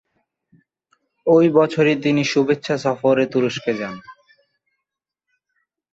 ওই বছরই তিনি শুভেচ্ছা সফরে তুরস্কে যান।